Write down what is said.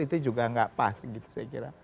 itu juga nggak pas gitu saya kira